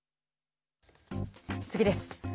次です。